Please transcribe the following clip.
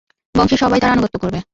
বংশের সবাই তার আনুগত্য করবে।